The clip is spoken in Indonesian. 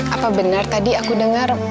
apa benar tadi aku dengar